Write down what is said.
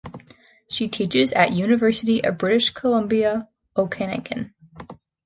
She teaches at University of British Columbia Okanagan.